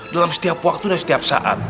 dalam setiap waktu dan setiap saat